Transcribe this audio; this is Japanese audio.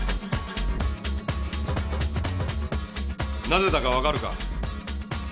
なぜだかわかるか？